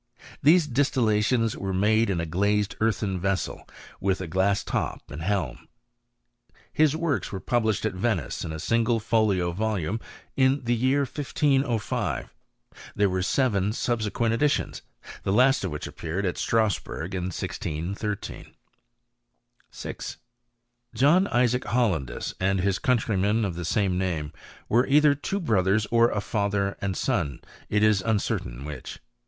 These distillations were made in a glazed earthen vessel with a glass top and hehn. His works were published at Venice in a single folio volume, in the year 1505. There were seven subsequent editions, the last of which appeared at Btrasburg in 1613. 6. John Isaac Hollandus and his countryman of the same name, were either two brothers or a fathier and son ; it is uncertain which.